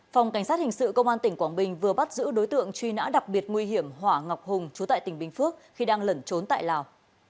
phòng cảnh sát hình sự công an tỉnh quảng bình vừa bắt giữ đối tượng truy nã đặc biệt nguy hiểm hỏa ngọc hùng chú tại tỉnh bình phước khi đang lẩn trốn tại lào